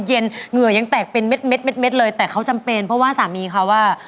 เหงื่อยังแตกเป็นเม็ดเลยแต่เขาจำเป็นเพราะว่าสามีเขาอ่ะ